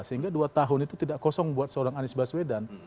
sehingga dua tahun itu tidak kosong buat seorang anies baswedan